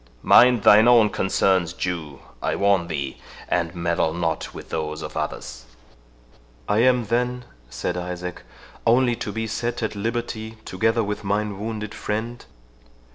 Mind thine own concerns, Jew, I warn thee, and meddle not with those of others." "I am, then," said Isaac, "only to be set at liberty, together with mine wounded friend?"